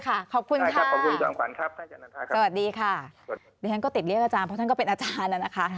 ขอบคุณค่ะสวัสดีค่ะติดเรียกอาจารย์ก็เป็นอาจารย์แล้วนะคะ